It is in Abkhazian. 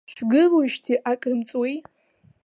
Шәгылоуижьҭеи акрымҵуеи?